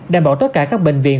đảm bảo tất cả các bệnh viện